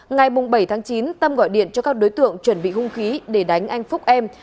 ngày bảy tháng chín tâm gọi điện cho các đối tượng chuẩn bị hung khí để đánh anh phúc em